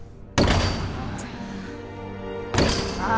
・ああ